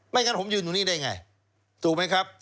งั้นผมยืนอยู่นี่ได้ไงถูกไหมครับ